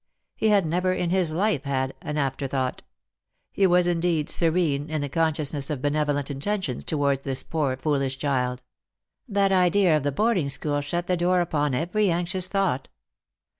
He had never in his life had an after thought. He was, indeed, serene in the consciousness of benevolent intentions to wards this poor foolish child; that idea of the boarding school Bhut the door upon every anxious thought.